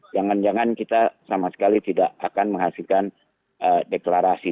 jangan jangan kita sama sekali tidak akan menghasilkan deklarasi